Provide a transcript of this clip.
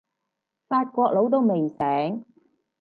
法國佬都未醒